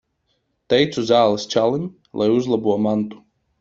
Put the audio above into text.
Teicu zāles čalim, lai uzlabo mantu.